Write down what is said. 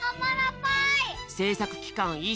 せいさくきかん１